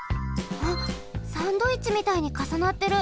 あっサンドイッチみたいにかさなってる。